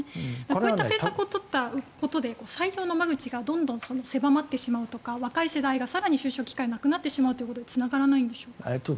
こういった政策を取ったことで採用の間口がどんどん狭まってしまうとか若い世代が更に就職機会を失うことにつながらないんでしょうか。